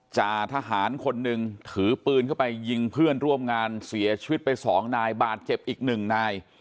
จ่าทหารคนหนึ่งถือปืนเข้าไปยิงเพื่อนร่วมงานเสียชีวิตไปสองนายบาดเจ็บอีกหนึ่งนาย